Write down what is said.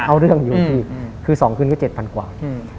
เอาเรื่องอยู่พี่คือ๒คืนก็๗๐๐กว่า